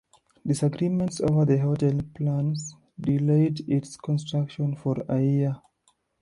Disagreements over the hotel plans delayed its construction for a year.